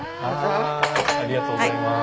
ありがとうございます。